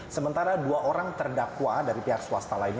sementara dua orang terdakwa dari pihak swasta lainnya